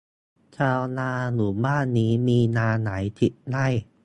ชาวนาหมู่บ้านนี้มีนาหลายสิบไร่